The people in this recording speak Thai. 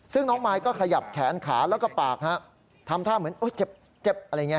ซึ่งน้องมายก็ขยับแขนขาแล้วก็ปากฮะทำท่าเหมือนเจ็บอะไรอย่างนี้